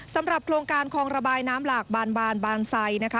สำหรับโครงการคลองระบายน้ำหลากบานบานไซนะคะ